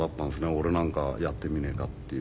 俺なんかがやってみねえかっていう。